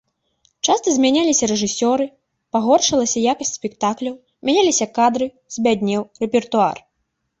Часта змяняліся рэжысёры, пагоршылася якасць спектакляў, мяняліся кадры, збяднеў рэпертуар.